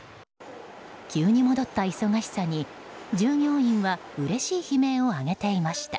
急に戻った忙しさに、従業員はうれしい悲鳴を上げていました。